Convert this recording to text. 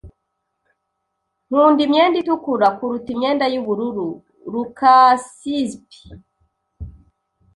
Nkunda imyenda itukura kuruta imyenda yubururu. (lukaszpp)